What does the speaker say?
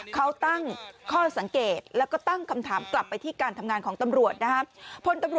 เขาตั้งข้อสังเกตแล้วก็ตั้งคำถามกลับไปที่การทำงานของตำรวจนะครับ